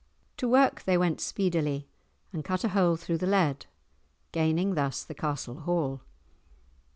To work they went speedily, and cut a hole through the lead, gaining thus the castle hall.